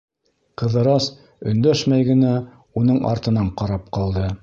Ҡыҙырас өндәшмәй генә уның артынан ҡарап ҡалды.